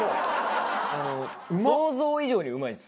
想像以上にうまいです。